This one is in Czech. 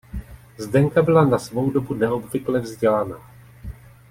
Zdenka byla na svou dobu neobvykle vzdělaná.